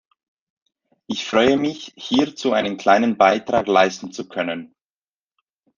Ich freue mich, hierzu einen kleinen Beitrag leisten zu können.